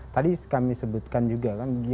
tadi kami sebutkan juga kan